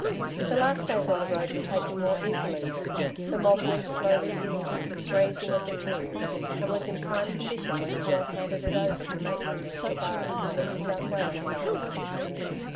The last days on the road were taken more easily. The mob went slowly eastward, grazing as it moved, and was in prime condition when Conal handed it over to Maitland in Cooburra, on the New South Wales side.